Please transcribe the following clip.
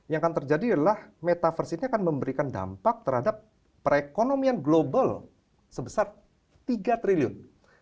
yang akan terjadi adalah metaverse ini akan memberikan dampak terhadap perekonomian global sebesar tiga triliun